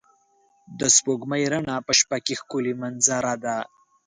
د سپوږمۍ رڼا په شپه کې ښکلی منظره ده.